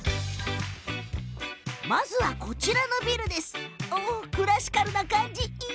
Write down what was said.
まずは、こちらのビル！